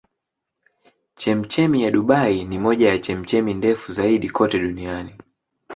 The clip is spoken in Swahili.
Chemchemi ya Dubai ni moja ya chemchemi ndefu zaidi kote duniani.